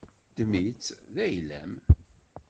Ddem-itt d ayla-m.